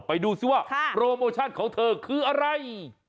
ไปดูซิว่าโปรโมชั่นของเธอคืออะไร